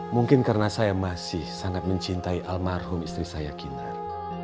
mungkin karena saya masih sangat mencintai almarhum istri saya kinar